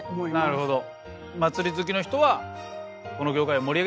なるほど。